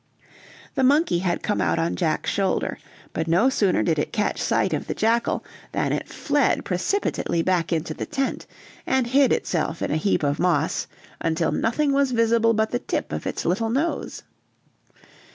The monkey had come out on Jack's shoulder, but no sooner did it catch sight of the jackal, than it fled precipitately back into the tent, and hid itself in a heap of moss until nothing was visible but the tip of its little nose.